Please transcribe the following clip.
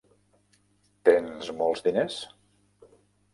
Tens molts diners?